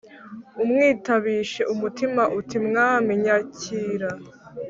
umwitabishe umutima. uti mwami, nyakira !